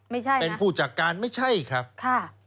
ไม่ใช่เป็นผู้จัดการไม่ใช่ครับค่ะ